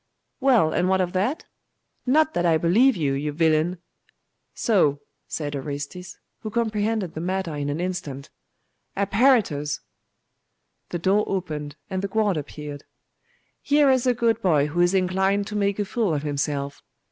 'Well, and what of that? Not that I believe you, you villain! So!' said Orestes, who comprehended the matter in an instant. 'Apparitors!' The door opened, and the guard appeared. 'Here is a good boy who is inclined to make a fool of himself.